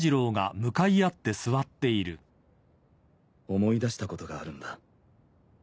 思い出したことがあるんだ。